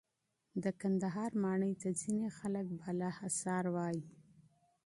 د کندهار ماڼۍ ته ځینې خلک بالاحصار وایې.